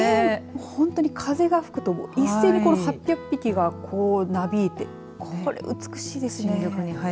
本当に風が吹くと一斉に８００匹がなびいて美しいですよね。